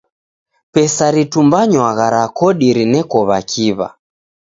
Pesa ritumbanywagha ra kodi rineko w'akiw'a.